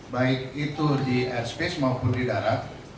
baik itu di airspace maupun di darat